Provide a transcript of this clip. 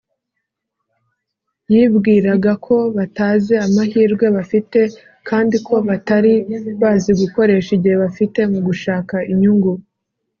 yibwiraga ko batazi amahirwe bafite, kandi ko batari bazi gukoresha igihe bafite mu gushaka inyungu